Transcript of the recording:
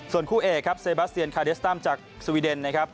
ส่วนคู่เอกเซบาสเตียนคาเดสตามจากสวีเดน